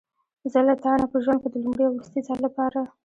زه له تا نه په ژوند کې د لومړي او وروستي ځل لپاره.